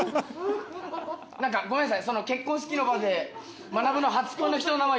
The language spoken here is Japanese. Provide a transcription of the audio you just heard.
何かごめんなさい。